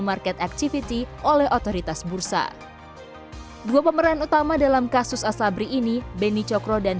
market activity oleh otoritas bursa dua pemeran utama dalam kasus asabri ini beni cokro dan